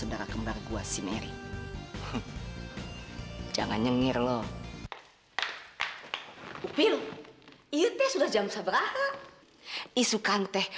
enak aja siapa yang nyuruh lu sekolah